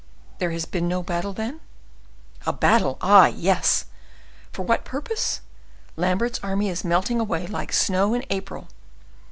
"There has been no battle, then?" "A battle, ah, yes! for what purpose? Lambert's army is melting away like snow in April.